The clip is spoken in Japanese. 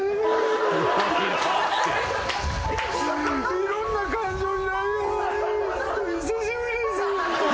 いろんな感情に。